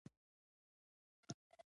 وېلسن نوي قانون باندې کار وکړ.